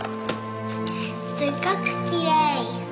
すごくきれい。